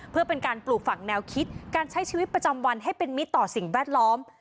เพื่อเป็นการปลูกฝั่งแนวคิดการใช้ชีวิตประจำวันให้เป็นมิตรต่อสิ่งแวดล้อม